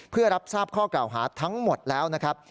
เพื่อรับทราบข้อกล่าวหาทั้งหมดแล้วนะครับ